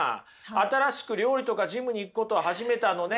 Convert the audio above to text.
新しく料理とかジムに行くことを始めたのね。